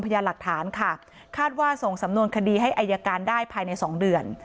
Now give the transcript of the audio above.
พยายามหลักฐานค่ะคาดว่าส่งสำนวนคดีให้อายการได้ภายในสองเดือน